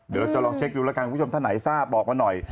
เดี๋ยวจะลองเช็คดูแล้วกันคุณผู้ชมท่านไหนทราบบอกมาหน่อย